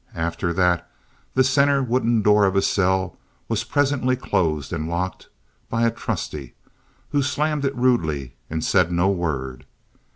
And after that the center wooden door of his cell was presently closed and locked by a trusty who slammed it rudely and said no word.